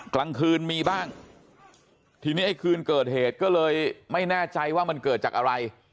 กลางคืนมีบ้างทีนี้ไอ้คืนเกิดเหตุก็เลยไม่แน่ใจว่ามันเกิดจากอะไร